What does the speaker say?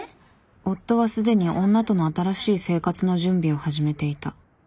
夫はすでに女との新しい生活の準備を始めていた。